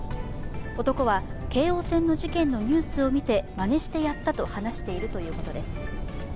男は、京王線の事件のニュースを見てまねしてやったと話しているということです。